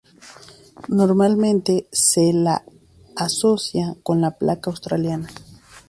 Normalmente se la asocia con la placa australiana.